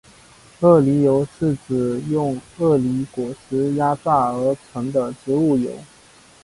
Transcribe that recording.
鳄梨油是指用鳄梨果实压榨而成的植物油。